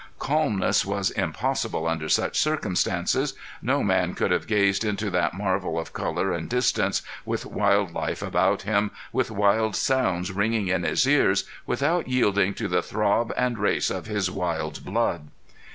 Calmness was impossible under such circumstances. No man could have gazed into that marvel of color and distance, with wild life about him, with wild sounds ringing in his ears, without yielding to the throb and race of his wild blood.